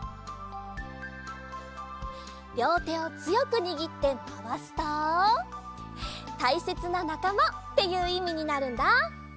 りょうてをつよくにぎってまわすと「たいせつななかま」っていういみになるんだ。